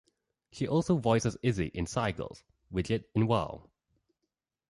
She also voices Izzy in "SciGirls", Widget in "Wow!